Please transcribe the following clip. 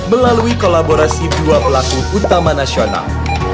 melalui kolaborasi dua pelaku utama nasional